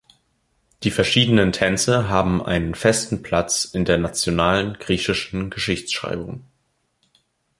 Die verschiedenen Tänze haben einen festen Platz in der nationalen griechischen Geschichtsschreibung.